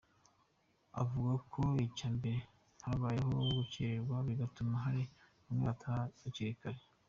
Avuga ko icya mbere habayeho gukererwa bigatuma hari bamwe bataha hakiri kare.